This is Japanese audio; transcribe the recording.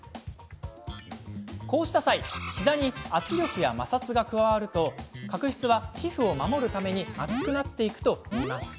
こうした際ひざに圧力や摩擦が加わると角質は皮膚を守るために厚くなっていくといいます。